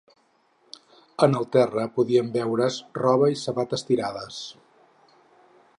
En el terra podien veure’s roba i sabates tirades.